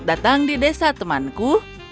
datang di desa temanku